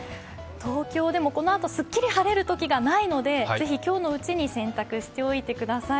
東京でもこのあとすっきり晴れる日がないのでぜひ、今日のうちに洗濯しておいてください。